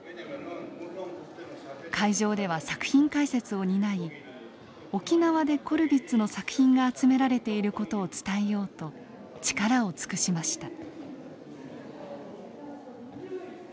会場では作品解説を担い沖縄でコルヴィッツの作品が集められている事を伝えようと力を尽くしました。